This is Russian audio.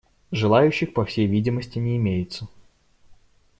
Желающих, по всей видимости, не имеется.